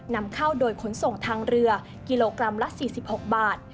นำเข้าโดยขนส่งทางเรือกิโลกรัมละ๔๖บาท